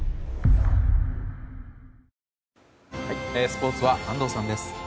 スポーツは安藤さんです。